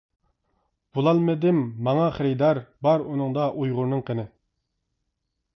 بولالمىدىم ئاڭا خېرىدار، بار ئۇنىڭدا ئۇيغۇرنىڭ قېنى.